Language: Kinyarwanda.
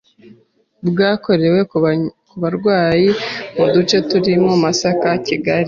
bwakorewe ku barwayi mu duce turimo Masaka Kigali